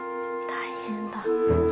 大変だ。